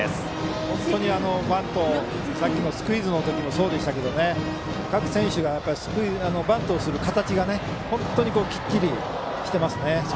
本当に、さっきのスクイズでもそうでしたけど各選手がバントをする形がきっちりしていますね。